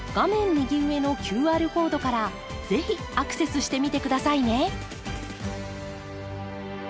右上のＱＲコードから是非アクセスしてみて下さいね！